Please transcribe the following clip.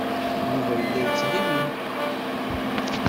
Yuba yella yettɣimi.